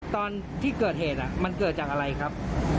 ตอนที่เกิดเหตุมันเกิดจากอะไรครับ